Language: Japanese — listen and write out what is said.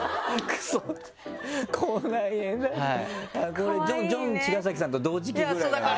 これジョン茅ヶ崎さんと同時期ぐらいなのかな？